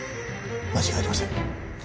間違いありません。